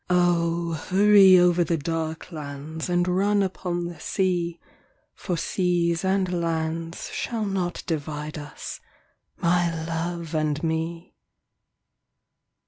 O, hurry over the dark lands And run upon the sea For seas and lands shall not divide us, My love and me.